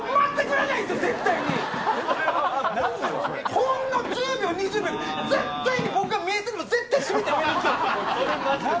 ほんの１０秒２０秒絶対に僕が見えてても絶対閉めて上に行きよるんですよ